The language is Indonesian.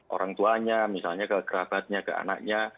orang tuanya misalnya ke kerabatnya ke anaknya